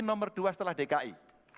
nomor dua setelah dki